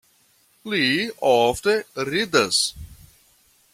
Li ofte ridas.